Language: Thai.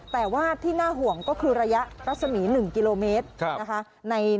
แต่ว่าที่น่าห่วงก็คือระยะรัศมี๑กิโลเมตรนะคะ